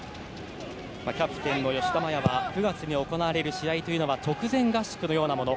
キャプテンの吉田麻也は９月に行われる試合というのは直前合宿のようなもの。